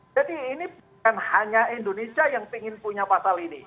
jadi ini bukan hanya indonesia yang ingin punya pasal ini